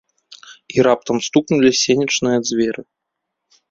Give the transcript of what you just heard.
І раптам стукнулі сенечныя дзверы.